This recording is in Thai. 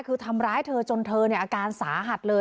คือทำร้ายเธอจนเธอเนี่ยอาการสาหัสเลย